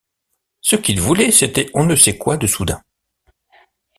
Ce qu’il voulait, c’était on ne sait quoi de soudain.